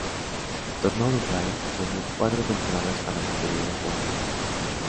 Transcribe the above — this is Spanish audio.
Retornó a Uruguay, jugando cuatro temporadas para Montevideo Wanderers.